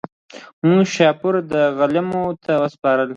موږ شهپر دی غلیمانو ته سپارلی